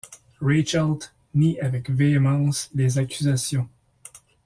Reichelt nie avec véhémence les accusations.